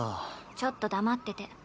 ちょっと黙ってて。